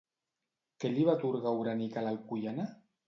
Què li va atorgar Oranich a l'alcoiana?